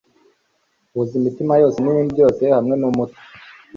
Huza imitima yose nibibi byose hamwe numutwe